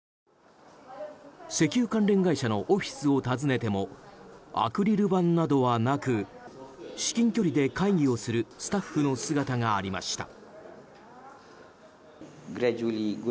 石油関連会社のオフィスを訪ねてもアクリル板などはなく至近距離で会議をするスタッフの姿がありました。